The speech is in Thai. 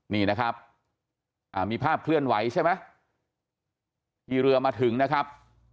นี่นะครับมีภาพเคลื่อนไหวใช่ไหมที่เรือมาถึงนะครับ